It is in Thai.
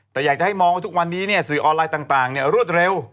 แต่อยากจะให้มองว่าทุกวันนี้สื่อออนไลน์ต่างรวดเร็ว